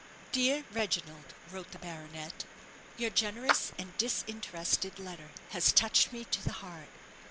"Dear Reginald," wrote the baronet, "_your generous and disinterested letter has touched me to the heart.